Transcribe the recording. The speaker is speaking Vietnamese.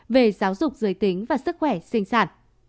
về giáo dục giới tính và sức khỏe sinh sản